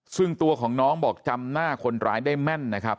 ซึ่งตัวของน้องบอกจำหน้าคนร้ายได้แม่นนะครับ